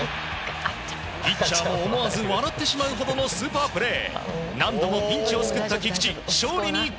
ピッチャーも思わず笑ってしまうほどのスーパープレー！